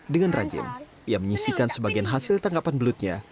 dengan rajin ia menyisikan sebagian hasil tangkapan belutnya